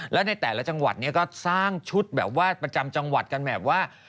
แล้วในแต่ละจังหวัดเนี่ยก็สร้างชุดแบบว่าประจำจังหวัดกันแบบว่า